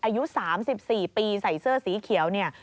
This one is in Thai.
อายุ๓๔ปีใส่เสื้อสีเขียว